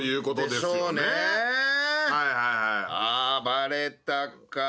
バレたか。